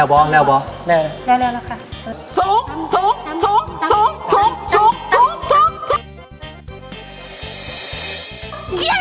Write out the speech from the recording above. นี่กว่าหน้าละคะสูงสูงสูงสูงสูงสูงสูงสูง